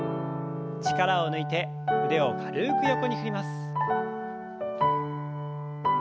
力を抜いて腕を軽く横に振ります。